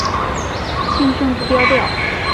轻声不标调。